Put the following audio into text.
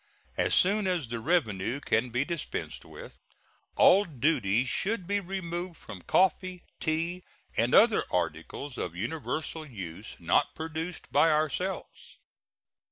As soon as the revenue can be dispensed with, all duty should be removed from coffee, tea, and other articles of universal use not produced by ourselves.